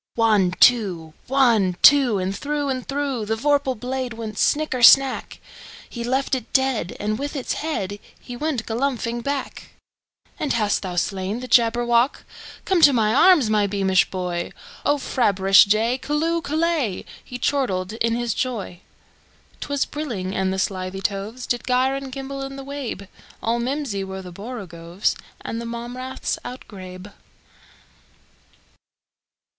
One, two! One, two! And through and throughThe vorpal blade went snicker snack! He left it dead, and with its headHe went galumphing back."And hast thou slain the Jabberwock? Come to my arms, my beamish boy!O frabjous day! Callooh! Callay!"He chortled in his joy.'T was brillig, and the slithy tovesDid gyre and gimble in the wabe; All mimsy were the borogoves, And the mome raths outgrabe.